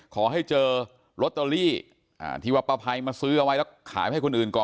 ขอให้เจอลอตเตอรี่ที่ว่าป้าภัยมาซื้อเอาไว้แล้วขายไปให้คนอื่นก่อน